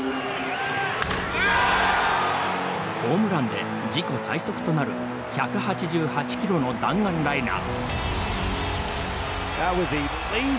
ホームランで自己最速となる１８８キロの弾丸ライナー。